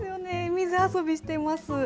水遊びしてます。